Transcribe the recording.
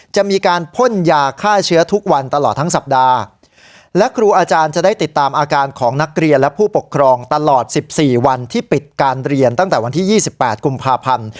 จะมีการพ่นยาฆ่าเชื้อทุกวันตลอดทั้งสัปดาห์และครูอาจารย์จะได้ติดตามอาการของนักเรียนและผู้ปกครองตลอดสิบสี่วันที่ปิดการเรียนตั้งแต่วันที่๒๘กุมภาพันธ์